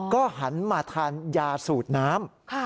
ก็หันมาทานยาสูดน้ำ